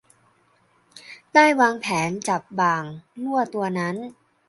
ได้วางแผนจับบ่างลั่วตัวนั้น